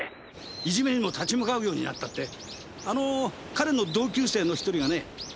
いじめにも立ち向かうようになったってあの彼の同級生のひとりがね